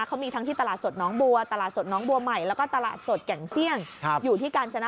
ใครอยากมาอุดหนุนหมูที่ร้าน